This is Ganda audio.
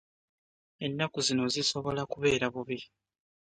Ennaku zino sisobola kubeera bubi.